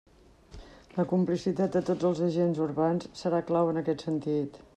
La complicitat de tots els agents urbans serà clau en aquest sentit.